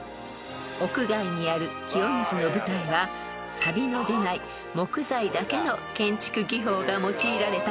［屋外にある清水の舞台はさびの出ない木材だけの建築技法が用いられたんです］